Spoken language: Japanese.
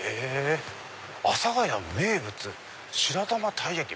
「阿佐ヶ谷名物白玉たいやき」。